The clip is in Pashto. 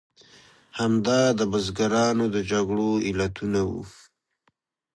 همدا د بزګرانو د جګړو علتونه وو.